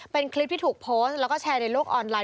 เป็นคลิปที่ถูกโพสต์แล้วก็แชร์ในโลกออนไลน